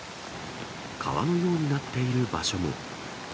川のようになっている場所も。